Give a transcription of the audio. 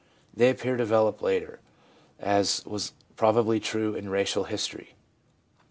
3 They appear to develop later, as was probably true in racial history.